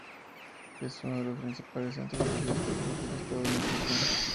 Es uno de los principales centros recreativos del estado de Michoacán.